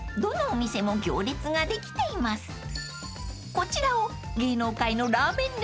［こちらを］